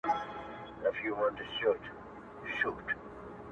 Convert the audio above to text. چي ماښام سو غم نازل د آس بېلتون سو -